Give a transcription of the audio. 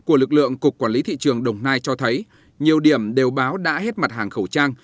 của lực lượng cục quản lý thị trường đồng nai cho thấy nhiều điểm đều báo đã hết mặt hàng khẩu trang